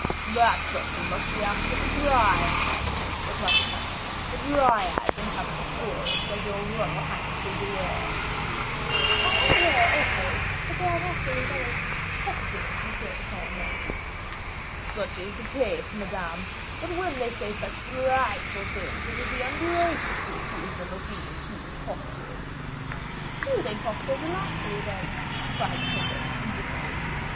"That question must be asked of the Dryads," replied the comte; "the Dryads inhabit the forest, as your royal highness is aware." "I am aware also, that they are naturally very talkative, Monsieur de Saint Aignan." "Such is the case, Madame; but when they say such delightful things, it would be ungracious to accuse them of being too talkative." "Do they talk so delightfully, then?" inquired the princess, indifferently.